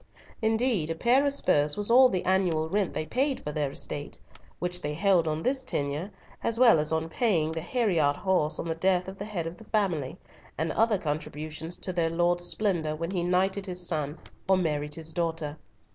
Indeed, a pair of spurs was all the annual rent they paid for their estate, which they held on this tenure, as well as on paying the heriard horse on the death of the head of the family, and other contributions to their lord's splendour when he knighted his son or married his daughter.